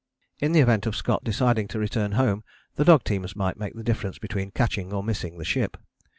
In the event of Scott deciding to return home the dog teams might make the difference between catching or missing the ship.